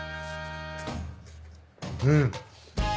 うん。